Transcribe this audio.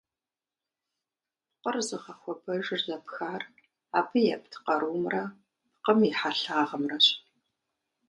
Пкъыр зыгъэхуабжьыр зэпхар абы епт къарумрэ пкъым и хьэлъагъымрэщ.